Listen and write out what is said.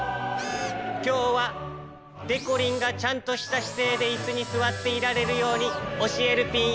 きょうはでこりんがちゃんとしたしせいでイスにすわっていられるようにおしえるピンよ。